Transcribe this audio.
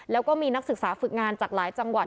แล้วก็มีนักศึกษาฝึกงานจากหลายจังหวัด